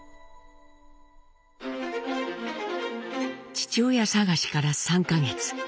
父親さがしから３か月。